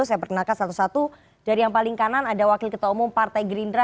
saya perkenalkan satu satu dari yang paling kanan ada wakil ketua umum partai gerindra